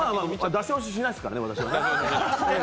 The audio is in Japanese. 出し惜しみしないですからね、私は。